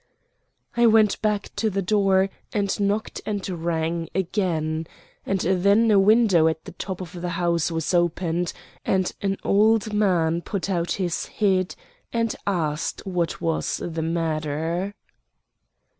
I went back to the door, and knocked and rang again; and then a window at the top of the house was opened, and an old man put out his head and asked what was the matter.